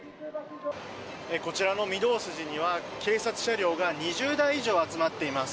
こちらの御堂筋には警察車両が２０台以上集まっています。